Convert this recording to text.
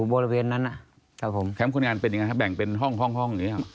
บริเวณนั้นครับผมแคมป์คนงานเป็นยังไงครับแบ่งเป็นห้องห้องนี้ครับ